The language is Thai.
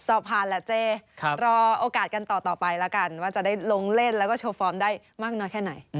สอบผ่านแหละเจ๊รอโอกาสกันต่อไปแล้วกันว่าจะได้ลงเล่นแล้วก็โชว์ฟอร์มได้มากน้อยแค่ไหน